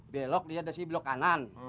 belok liat disini belok kanan